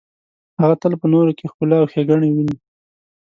هغه تل په نورو کې ښکلا او ښیګڼې ویني.